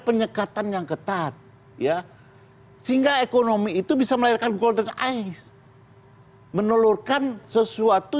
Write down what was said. penyekatan yang ketat ya sehingga ekonomi itu bisa melahirkan golden ice menelurkan sesuatu